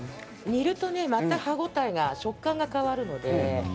煮るとねまた歯応えが食感が変わるので。